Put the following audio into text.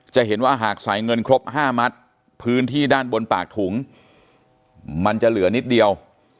จะเห็นว่าหากใส่เงินครบ๕มัตต์พื้นที่ด้านบนปากถุงมันจะเหลือนิดเดียว